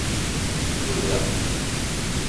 Suden.